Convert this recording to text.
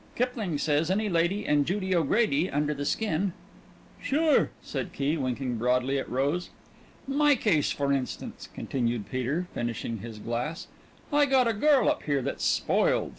Kipling says 'Any lady and Judy O'Grady under the skin.'" "Sure," said Key, winking broadly at Rose. "My case, for instance," continued Peter, finishing his glass. "I got a girl up here that's spoiled.